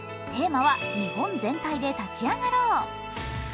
テーマは「日本全体で立ち上がろう」。